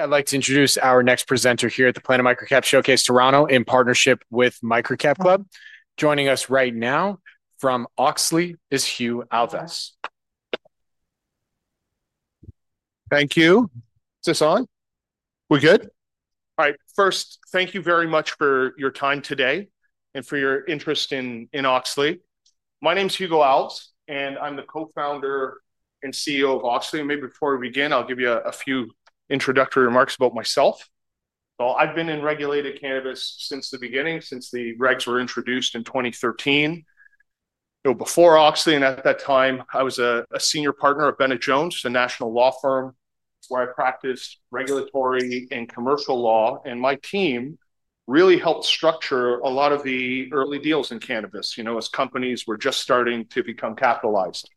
I'd like to introduce our next presenter here at the Planet MicroCap Showcase Toronto in partnership with MicroCapClub. Joining us right now from Auxly is Hugo Alves. Thank you. Is this on? We're good? All right. First, thank you very much for your time today and for your interest in Auxly. My name is Hugo Alves and I'm the Co-Founder and CEO of Auxly. Maybe before we begin, I'll give you a few introductory remarks about myself. I've been in regulated cannabis since the beginning, since the regs were introduced in 2013. Before Auxly, at that time I was a Senior Partner at Bennett Jones, a national law firm where I practiced regulatory and commercial law, and my team really helped structure a lot of the early deals in cannabis as companies were just starting to become capitalized.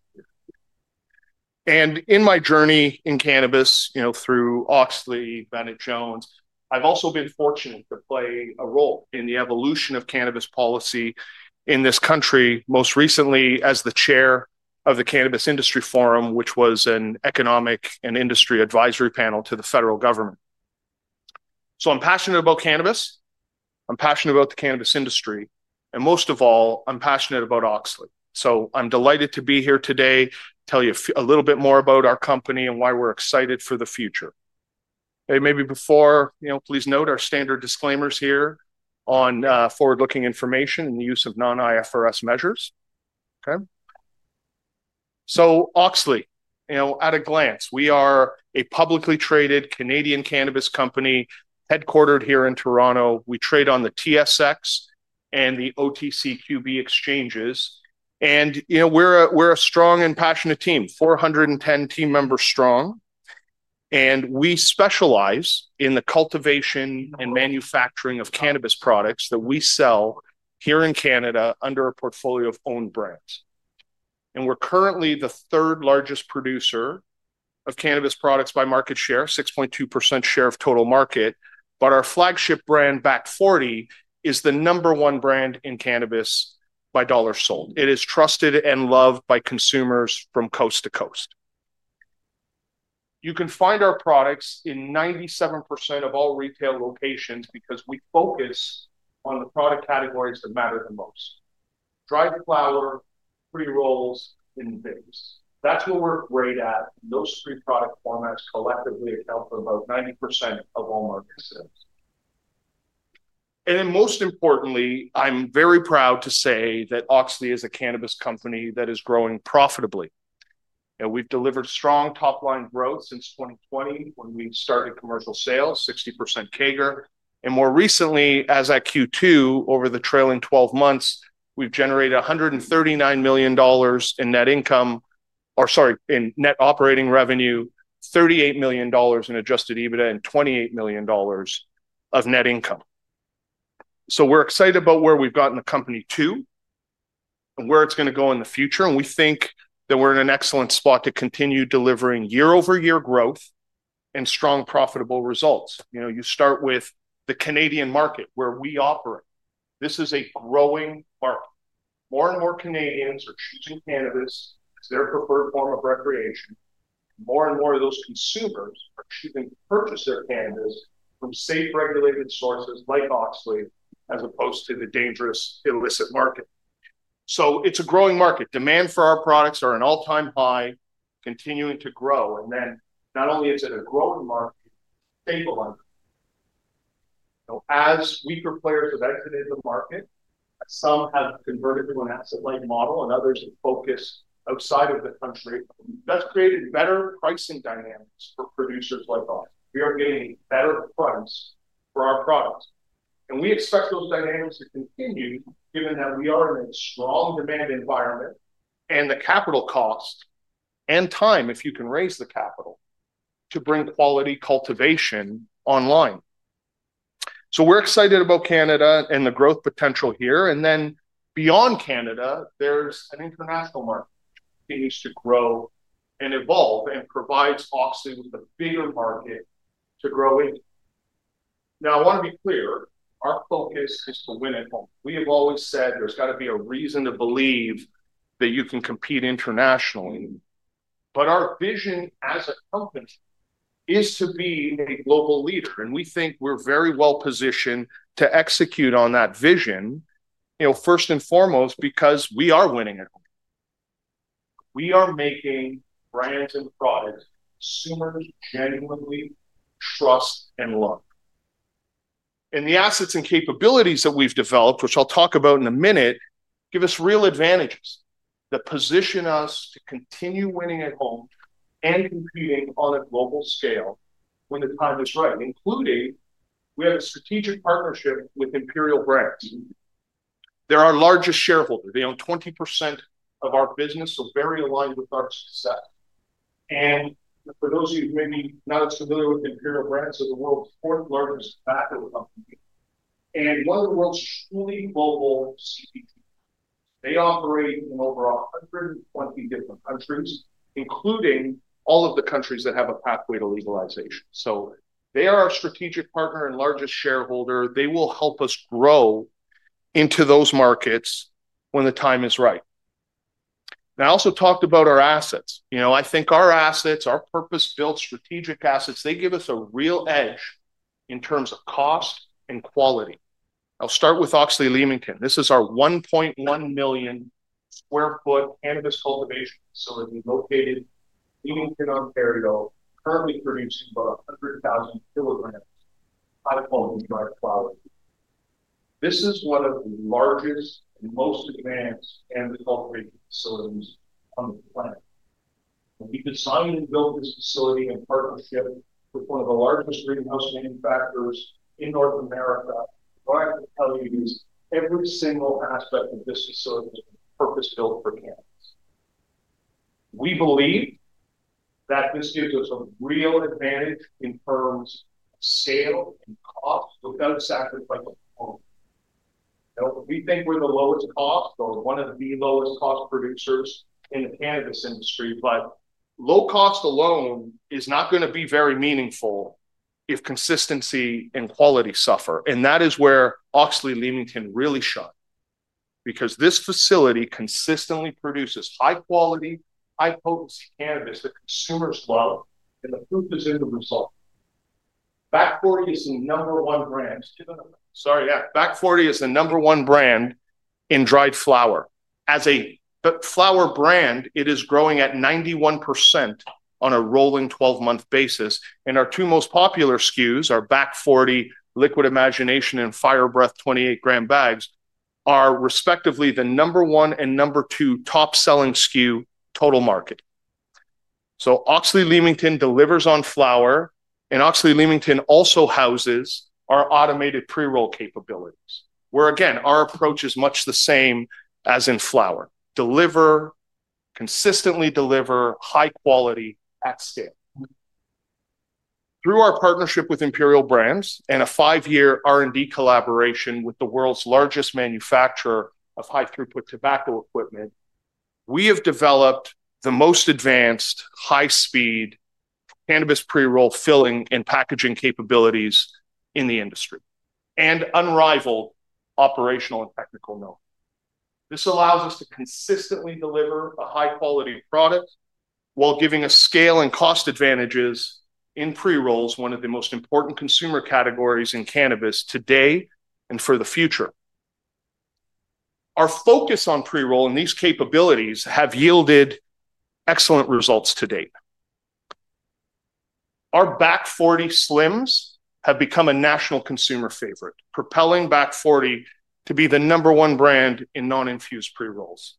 In my journey in cannabis, through Auxly and Bennett Jones, I've also been fortunate to play a role in the evolution of cannabis policy in this country, most recently as the Chair of the Cannabis Industry Forum, which was an economic and industry advisory panel to the federal government. I'm passionate about cannabis, I'm passionate about the cannabis industry, and most of all, I'm passionate about Auxly. I'm delighted to be here today to tell you a little bit more about our company and why we're excited for the future. Maybe before, you know, please note our standard disclaimers here on forward-looking information and the use of non-IFRS measures. Auxly, at a glance, we are a publicly traded Canadian cannabis company headquartered here in Toronto. We trade on the TSX and the OTCQB exchanges. We're a strong and passionate team, 410 team members strong. We specialize in the cultivation and manufacturing of cannabis products that we sell here in Canada under a portfolio of owned brands. We're currently the third largest producer of cannabis products by market share, 6.2% share of total market. Our flagship brand, Back Forty, is the number one brand in cannabis by dollars sold. It is trusted and loved by consumers from coast to coast. You can find our products in 97% of all retail locations because we focus on the product categories that matter the most: dried flower, pre-rolls, and vapes. That's what we're great at. Those three product formats collectively account for about 90% of all market sales. Most importantly, I'm very proud to say that Auxly is a cannabis company that is growing profitably. We've delivered strong top-line growth since 2020 when we started commercial sales, 60% CAGR. More recently, as at Q2 over the trailing 12 months, we've generated 139 million dollars in net operating revenue, 38 million dollars in adjusted EBITDA, and 28 million dollars of net income. We're excited about where we've gotten the company to and where it's going to go in the future. We think that we're in an excellent spot to continue delivering year-over-year growth and strong profitable results. You start with the Canadian market where we operate. This is a growing market. More and more Canadians are choosing cannabis as their preferred form of recreation. More and more of those consumers are choosing to purchase their cannabis from safe, regulated sources like Auxly, as opposed to the dangerous, illicit market. It is a growing market. Demand for our products is at an all-time high, continuing to grow. Not only is it a growing market, it's a stable market. As weaker players have exited the market, some have converted to an asset-light model and others have focused outside of the country. That has created better pricing dynamics for producers like us. We are getting a better price for our product. We expect those dynamics to continue given that we are in a strong demand environment and the capital cost and time, if you can raise the capital to bring quality cultivation online. We're excited about Canada and the growth potential here. Beyond Canada, there's an international market that continues to grow and evolve and provides Auxly with a bigger market to grow into. I want to be clear, our focus is to win at home. We have always said there's got to be a reason to believe that you can compete internationally. Our vision as a company is to be a global leader. We think we're very well positioned to execute on that vision, first and foremost because we are winning at home. We are making brands and products consumers genuinely trust and love. The assets and capabilities that we've developed, which I'll talk about in a minute, give us real advantages that position us to continue winning at home and competing on a global scale when the time is right, including we have a strategic partnership with Imperial Brands. They're our largest shareholder. They own 19.9% of our business, so very aligned with our success. For those of you who may be not as familiar with Imperial Brands, they're the world's fourth largest tobacco company and one of the world's truly global CPG companies. They operate in over 120 different countries, including all of the countries that have a pathway to legalization. They are our strategic partner and largest shareholder. They will help us grow into those markets when the time is right. I also talked about our assets. I think our assets, our purpose-built strategic assets, give us a real edge in terms of cost and quality. I'll start with Auxly Leamington. This is our 1.1 million square foot cannabis cultivation facility located in Leamington, Ontario, currently producing about 100,000 kg of high-quality dried flowers. This is one of the largest and most advanced cannabis cultivation facilities on the planet. We designed and built this facility in partnership with one of the largest greenhouse manufacturers in North America. Every single aspect of this facility is purpose-built for cannabis. We believe that this gives us a real advantage in terms of sale and cost without sacrificing quality. We think we're the lowest cost or one of the lowest cost producers in the cannabis industry, but low cost alone is not going to be very meaningful if consistency and quality suffer. That is where Auxly Leamington really shines because this facility consistently produces high quality, high potency cannabis that consumers love and the fruit is in the result. Back Forty is the number one brand. Back Forty is the number one brand in dried flower. As a flower brand, it is growing at 91% on a rolling 12-month basis. Our two most popular SKUs, our Back Forty Liquid Imagination and Fire Breath 28 g bags, are respectively the number one and number two top selling SKU total market. Auxly Leamington delivers on flower, and Auxly Leamington also houses our automated pre-roll capabilities where, again, our approach is much the same as in flower. Consistently deliver high quality at scale. Through our partnership with Imperial Brands and a five-year R&D collaboration with the world's largest manufacturer of high-throughput tobacco equipment, we have developed the most advanced high-speed cannabis pre-roll filling and packaging capabilities in the industry and unrivaled operational and technical knowledge. This allows us to consistently deliver a high quality of product while giving us scale and cost advantages in pre-rolls, one of the most important consumer categories in cannabis today and for the future. Our focus on pre-roll and these capabilities have yielded excellent results to date. Our Back Forty slims have become a national consumer favorite, propelling Back Forty to be the number one brand in non-infused pre-rolls.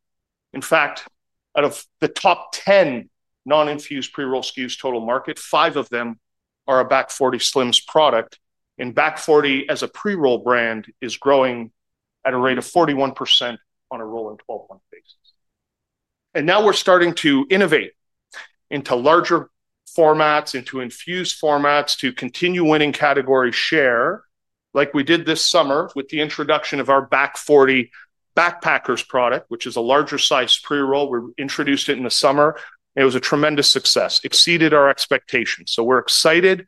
In fact, out of the top 10 non-infused pre-roll SKUs total market, five of them are a Back Forty slims product. Back Forty as a pre-roll brand is growing at a rate of 41% on a rolling 12-month basis. We are starting to innovate into larger formats, into infused formats, to continue winning category share like we did this summer with the introduction of our Back Forty Backpackers product, which is a larger size pre-roll. We introduced it in the summer. It was a tremendous success, exceeded our expectations. We are excited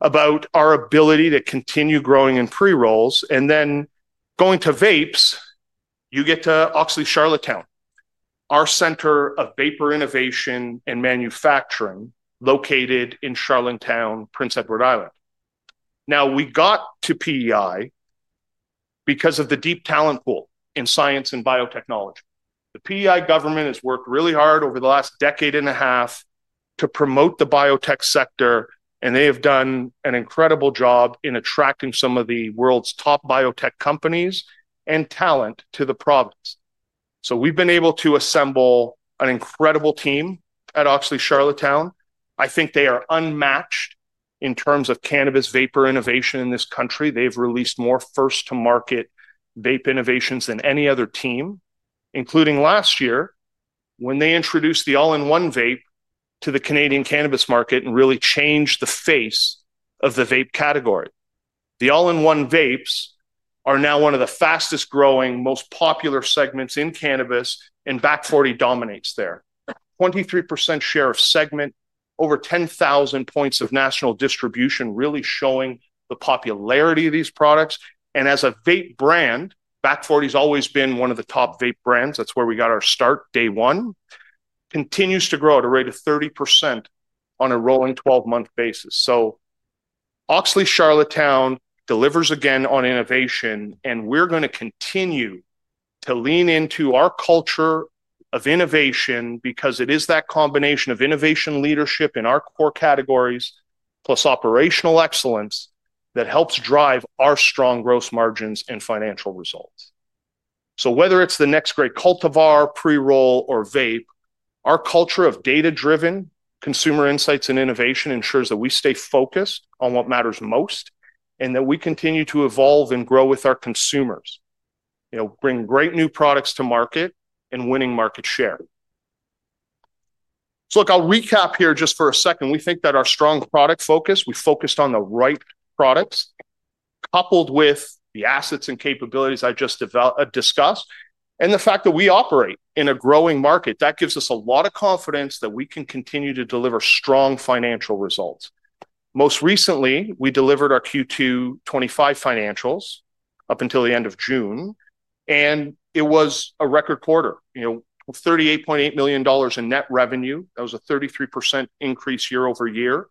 about our ability to continue growing in pre-rolls. Going to vapes, you get to Auxly Charlottetown, our center of vapor innovation and manufacturing located in Charlottetown, Prince Edward Island. We got to PEI because of the deep talent pool in science and biotechnology. The PEI government has worked really hard over the last decade and a half to promote the biotech sector, and they have done an incredible job in attracting some of the world's top biotech companies and talent to the province. We have been able to assemble an incredible team at Auxly Charlottetown. I think they are unmatched in terms of cannabis vapor innovation in this country. They have released more first-to-market vape innovations than any other team, including last year when they introduced the all-in-one vape to the Canadian cannabis market and really changed the face of the vape category. The all-in-one vapes are now one of the fastest growing, most popular segments in cannabis, and Back Forty dominates there. 23% share of segment, over 10,000 points of national distribution, really showing the popularity of these products. As a vape brand, Back Forty has always been one of the top vape brands. That's where we got our start day one. Continues to grow at a rate of 30% on a rolling 12-month basis. Auxly Charlottetown delivers again on innovation, and we are going to continue to lean into our culture of innovation because it is that combination of innovation leadership in our core categories plus operational excellence that helps drive our strong gross margins and financial results. Whether it's the next great cultivar, pre-roll, or vape, our culture of data-driven consumer insights and innovation ensures that we stay focused on what matters most and that we continue to evolve and grow with our consumers, bring great new products to market, and winning market share. I'll recap here just for a second. We think that our strong product focus, we focused on the right products coupled with the assets and capabilities I just discussed and the fact that we operate in a growing market, gives us a lot of confidence that we can continue to deliver strong financial results. Most recently, we delivered our Q2 2025 financials up until the end of June, and it was a record quarter. 38.8 million dollars in net revenue, a 33% increase year over year.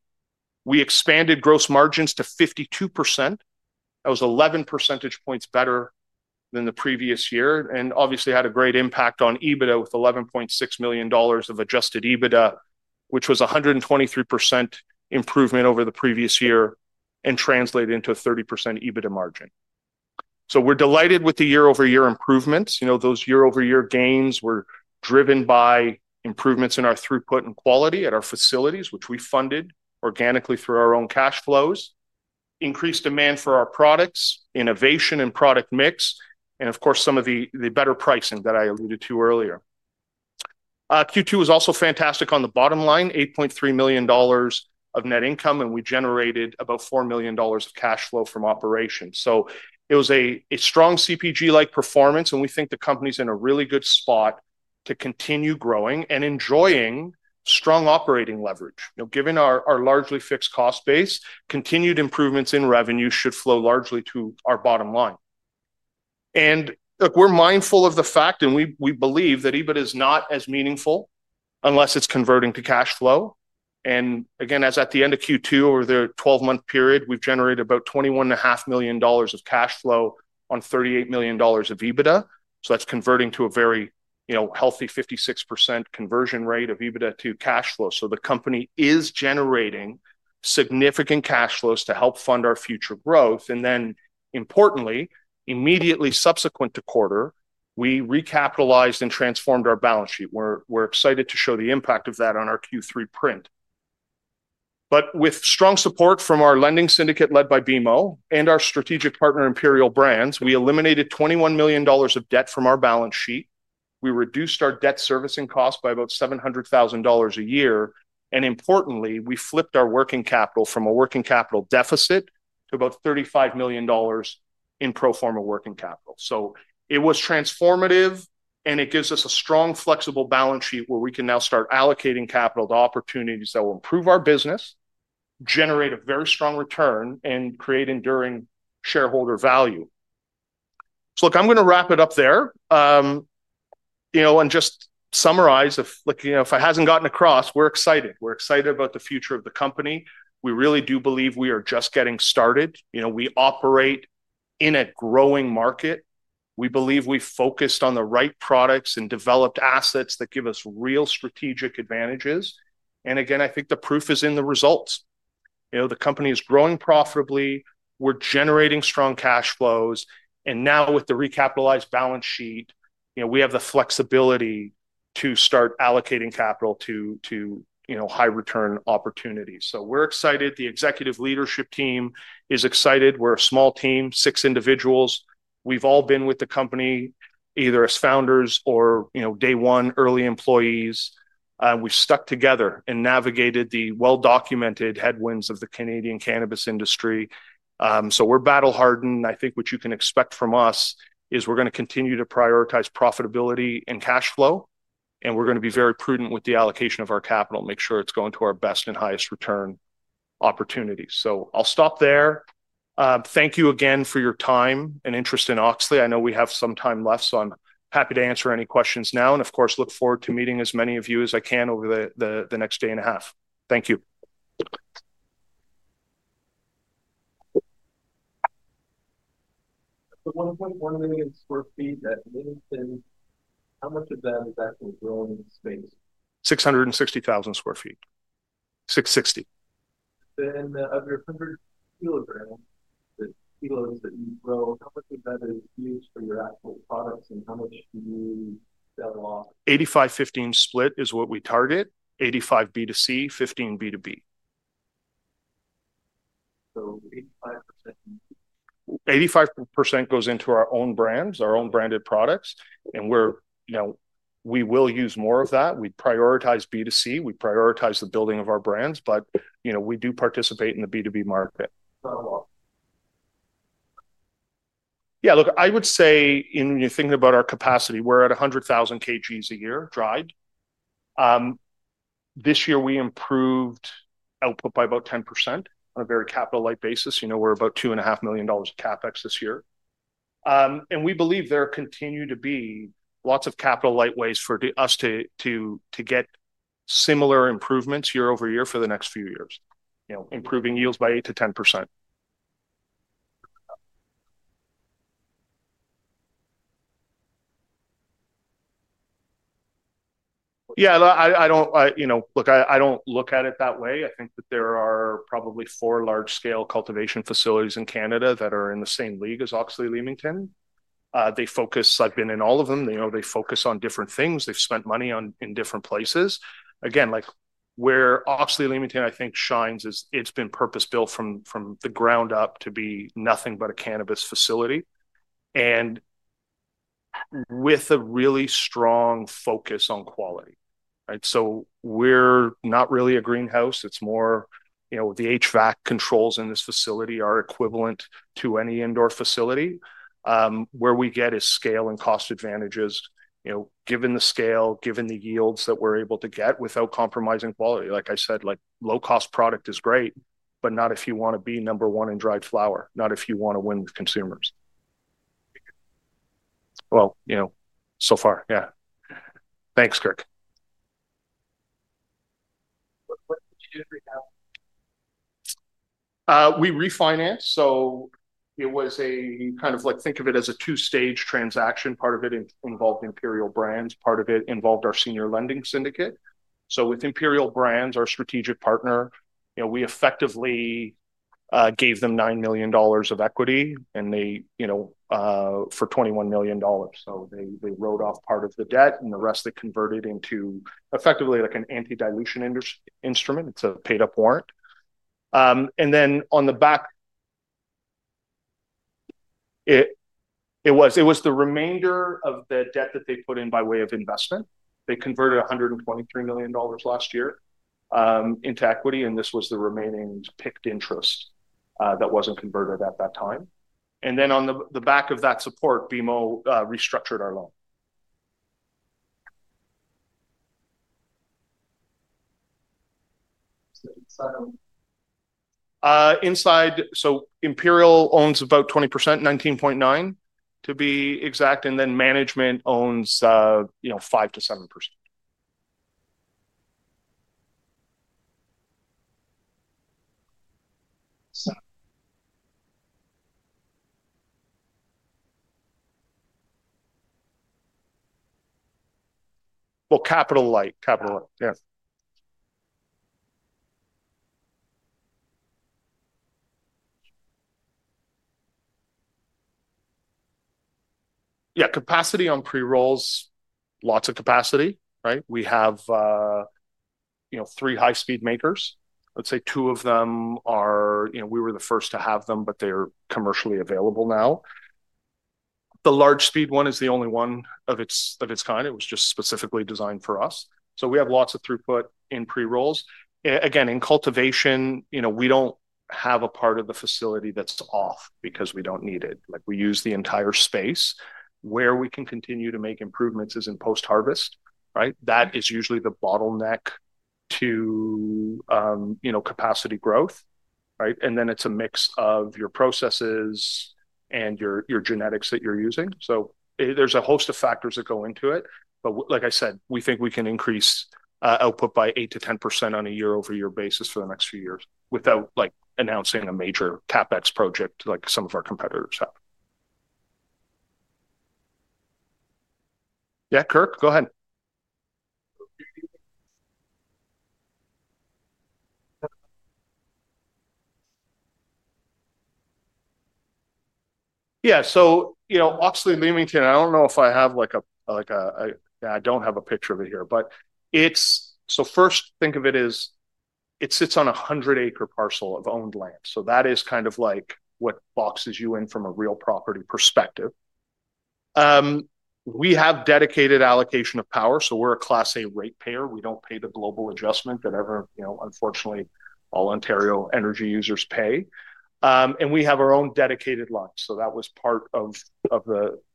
We expanded gross margins to 52%, which was 11 percentage points better than the previous year and obviously had a great impact on EBITDA with 11.6 million dollars of adjusted EBITDA, a 123% improvement over the previous year, and translated into a 30% EBITDA margin. We're delighted with the year-over-year improvements. Those year-over-year gains were driven by improvements in our throughput and quality at our facilities, which we funded organically through our own cash flows, increased demand for our products, innovation and product mix, and of course, some of the better pricing that I alluded to earlier. Q2 was also fantastic on the bottom line, 8.3 million dollars of net income, and we generated about 4 million dollars of cash flow from operations. It was a strong CPG-like performance, and we think the company's in a really good spot to continue growing and enjoying strong operating leverage. Given our largely fixed cost base, continued improvements in revenue should flow largely to our bottom line. We're mindful of the fact, and we believe that EBITDA is not as meaningful unless it's converting to cash flow. As at the end of Q2 over the 12-month period, we've generated about 21.5 million dollars of cash flow on 38 million dollars of EBITDA. That's converting to a very healthy 56% conversion rate of EBITDA to cash flow. The company is generating significant cash flows to help fund our future growth. Importantly, immediately subsequent to quarter, we recapitalized and transformed our balance sheet. We're excited to show the impact of that on our Q3 print. With strong support from our lending syndicate led by BMO and our strategic partner Imperial Brands, we eliminated 21 million dollars of debt from our balance sheet. We reduced our debt servicing cost by about 700,000 dollars a year. Importantly, we flipped our working capital from a working capital deficit to about 35 million dollars in pro forma working capital. It was transformative, and it gives us a strong, flexible balance sheet where we can now start allocating capital to opportunities that will improve our business, generate a very strong return, and create enduring shareholder value. I'm going to wrap it up there. If it hasn't gotten across, we're excited. We're excited about the future of the company. We really do believe we are just getting started. We operate in a growing market. We believe we focused on the right products and developed assets that give us real strategic advantages. I think the proof is in the results. The company is growing profitably. We're generating strong cash flows. Now with the recapitalized balance sheet, we have the flexibility to start allocating capital to high return opportunities. We're excited. The executive leadership team is excited. We're a small team, six individuals. We've all been with the company either as founders or day one early employees. We've stuck together and navigated the well-documented headwinds of the Canadian cannabis industry. We're battle-hardened. I think what you can expect from us is we're going to continue to prioritize profitability and cash flow, and we're going to be very prudent with the allocation of our capital and make sure it's going to our best and highest return opportunities. I'll stop there. Thank you again for your time and interest in Auxly. I know we have some time left, so I'm happy to answer any questions now. I look forward to meeting as many of you as I can over the next day and a half. Thank you. 1.1 million square feet at Leamington, how much of that is actually growing in the space? 660,000 square feet. 660. Of your 100 kg, the kilos that you grow, how much of that is used for your actual products and how much do you sell off? 85/15 split is what we target. 85% B2C, 15% B2B. So 85%? 85% goes into our own brands, our own branded products. We will use more of that. We prioritize B2C. We prioritize the building of our brands, but we do participate in the B2B market. Sell off? Yeah, look, I would say when you're thinking about our capacity, we're at 100,000 kgs a year dried. This year we improved output by about 10% on a very capital-light basis. We're about 2.5 million dollars of CapEx this year. We believe there continue to be lots of capital-light ways for us to get similar improvements year over year for the next few years, improving yields by 8%-10%. I don't look at it that way. I think that there are probably four large-scale cultivation facilities in Canada that are in the same league as Auxly Leamington. They focus, I've been in all of them, they focus on different things. They've spent money in different places. Again, where Auxly Leamington, I think, shines is it's been purpose-built from the ground up to be nothing but a cannabis facility and with a really strong focus on quality. Right? We're not really a greenhouse. It's more, the HVAC controls in this facility are equivalent to any indoor facility. Where we get is scale and cost advantages. Given the scale, given the yields that we're able to get without compromising quality, like I said, low-cost product is great, but not if you want to be number one in dried flower, not if you want to win with consumers. So far, yeah. Thanks, Kirk. What did you do for your cannabis? We refinanced. It was kind of like, think of it as a two-stage transaction. Part of it involved Imperial Brands. Part of it involved our senior lending syndicate. With Imperial Brands, our strategic partner, we effectively gave them 9 million dollars of equity and they, for 21 million dollars. They wrote off part of the debt and the rest they converted into effectively like an anti-dilution instrument. It's a paid-up warrant. On the back, it was the remainder of the debt that they put in by way of investment. They converted 123 million dollars last year into equity, and this was the remaining picked interest that wasn't converted at that time. On the back of that support, BMO restructured our loan. Inside of? Inside, so Imperial owns about 19.9% to be exact, and then management owns 5%-7%. Capital light, capital light, yeah. Capacity on pre-rolls, lots of capacity, right? We have three high-speed makers. Let's say two of them are, you know, we were the first to have them, but they're commercially available now. The large-speed one is the only one of its kind. It was just specifically designed for us. We have lots of throughput in pre-rolls. Again, in cultivation, we don't have a part of the facility that's off because we don't need it. We use the entire space. Where we can continue to make improvements is in post-harvest, right? That is usually the bottleneck to capacity growth, right? It's a mix of your processes and your genetics that you're using. There's a host of factors that go into it. Like I said, we think we can increase output by 8%-10% on a year-over-year basis for the next few years without announcing a major CapEx project like some of our competitors have. Yeah, Kirk, go ahead. Auxly Leamington, I don't know if I have a, like a, yeah, I don't have a picture of it here, but it's, so first think of it as it sits on a 100-acre parcel of owned land. That is kind of what boxes you in from a real property perspective. We have dedicated allocation of power. We're a Class A rate payer. We don't pay the global adjustment that, unfortunately, all Ontario energy users pay. We have our own dedicated line. That was part of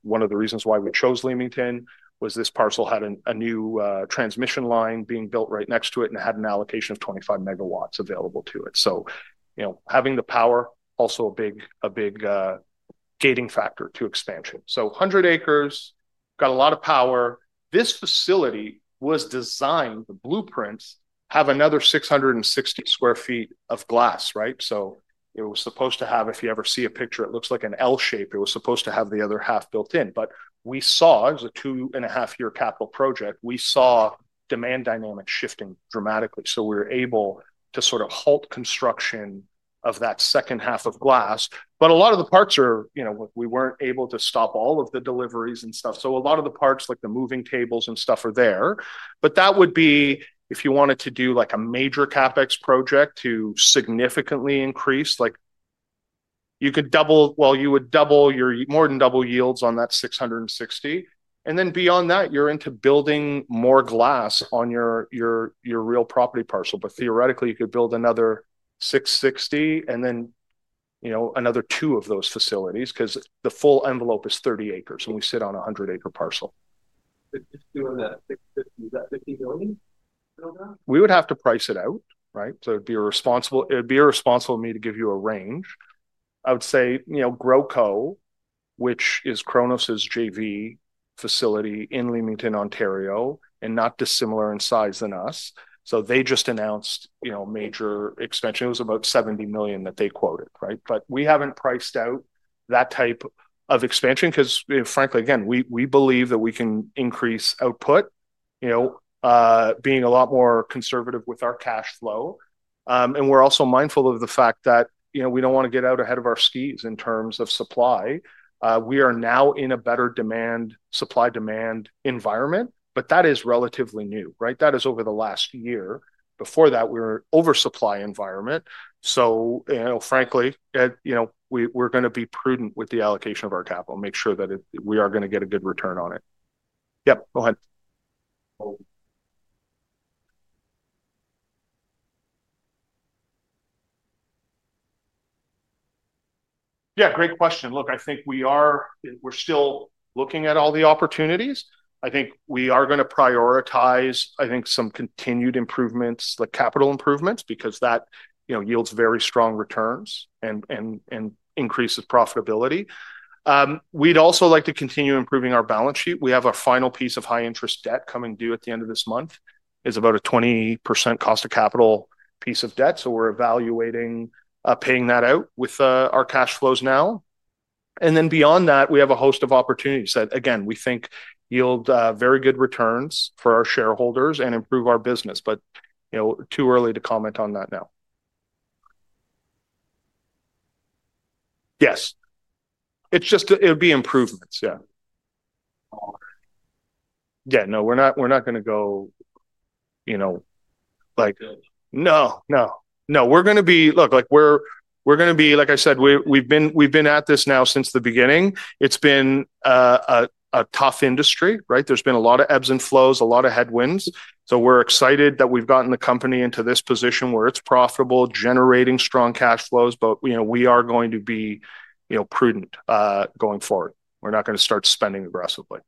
one of the reasons why we chose Leamington, this parcel had a new transmission line being built right next to it and had an allocation of 25 MW available to it. Having the power is also a big gating factor to expansion. 100 acres, got a lot of power. This facility was designed, the blueprints have another 660,000 square feet of glass, right? It was supposed to have, if you ever see a picture, it looks like an L shape. It was supposed to have the other half built in. We saw, as a two and a half year capital project, demand dynamics shifting dramatically. We were able to sort of halt construction of that second half of glass. A lot of the parts are, you know, we weren't able to stop all of the deliveries and stuff. A lot of the parts, like the moving tables and stuff, are there. If you wanted to do a major CapEx project to significantly increase, you could double, more than double yields on that 660. Beyond that, you're into building more glass on your real property parcel. Theoretically, you could build another 660 and then another two of those facilities because the full envelope is 30 acres and we sit on a 100-acre parcel. Is that 50 million? We would have to price it out, right? It'd be irresponsible of me to give you a range. I would say, you know, GrowCo, which is Cronos's JV facility in Leamington, Ontario, and not dissimilar in size than us. They just announced, you know, major expansion. It was about 70 million that they quoted, right? We haven't priced out that type of expansion because, you know, frankly, again, we believe that we can increase output, you know, being a lot more conservative with our cash flow. We're also mindful of the fact that we don't want to get out ahead of our skis in terms of supply. We are now in a better supply-demand environment, but that is relatively new, right? That is over the last year. Before that, we were in an oversupply environment. Frankly, we're going to be prudent with the allocation of our capital, make sure that we are going to get a good return on it. Yeah, great question. Look, I think we are still looking at all the opportunities. I think we are going to prioritize, I think, some continued improvements, like capital improvements, because that yields very strong returns and increases profitability. We'd also like to continue improving our balance sheet. We have a final piece of high-interest debt coming due at the end of this month. It's about a 20% cost of capital piece of debt. We're evaluating paying that out with our cash flows now. Beyond that, we have a host of opportunities that, again, we think yield very good returns for our shareholders and improve our business. Too early to comment on that now. Yes. It would be improvements. No, we're not going to go, you know, like, no, no, no, we're going to be, look, like I said, we've been at this now since the beginning. It's been a tough industry, right? There's been a lot of ebbs and flows, a lot of headwinds. We're excited that we've gotten the company into this position where it's profitable, generating strong cash flows, but we are going to be prudent going forward. We're not going to start spending aggressively.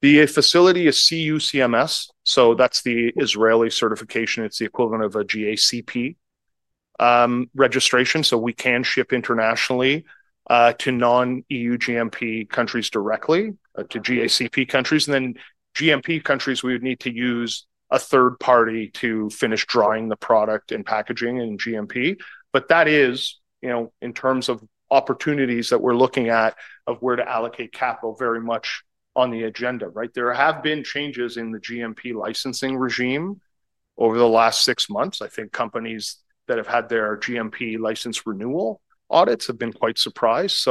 The facility is CUMCS-certified. That's the Israeli certification. It's the equivalent of a GACP registration. We can ship internationally to non-EU GMP countries directly, to GACP countries. In GMP countries, we would need to use a third party to finish drying the product and packaging in GMP. That is, in terms of opportunities that we're looking at of where to allocate capital, very much on the agenda, right? There have been changes in the GMP licensing regime over the last six months. I think companies that have had their GMP license renewal audits have been quite surprised.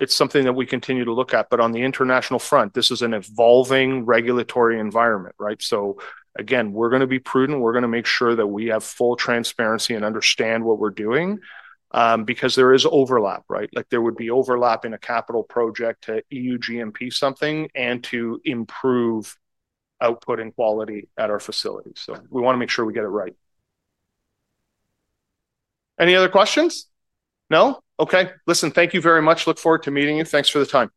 It's something that we continue to look at. On the international front, this is an evolving regulatory environment, right? We are going to be prudent. We're going to make sure that we have full transparency and understand what we're doing because there is overlap, right? There would be overlap in a capital project to EU GMP something and to improve output and quality at our facility. We want to make sure we get it right. Any other questions? No? Okay. Listen, thank you very much. Look forward to meeting you. Thanks for the time.